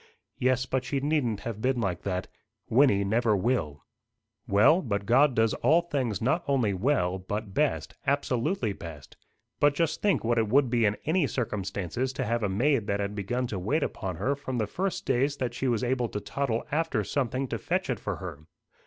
"Yes, but she needn't have been like that. Wynnie never will." "Well, but God does all things not only well, but best, absolutely best. But just think what it would be in any circumstances to have a maid that had begun to wait upon her from the first days that she was able to toddle after something to fetch it for her."